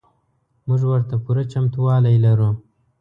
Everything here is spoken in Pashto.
موږ ورته پوره چمتو والی لرو.